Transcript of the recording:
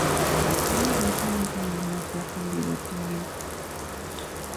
En junio de ese mismo año fue ascendido a teniente.